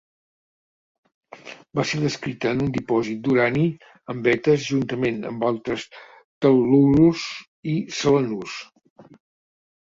Va ser descrita en un dipòsit d'urani en vetes juntament amb altres tel·lururs i selenurs.